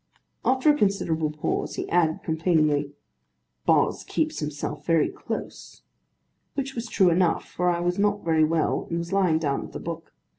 After a considerable pause, he added, complainingly, 'Boz keeps himself very close;' which was true enough, for I was not very well, and was lying down, with a book.